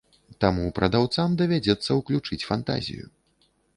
Таму прадаўцам давядзецца ўключыць фантазію.